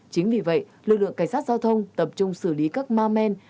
chính vì vậy lực lượng cảnh sát giao thông tập trung xử lý các ma men